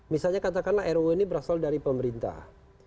misalnya katakanlah ruu ini berasal dari pemerintah